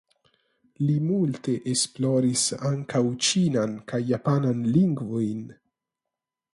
Li multe esploris ankaŭ ĉinan kaj japanan lingvojn.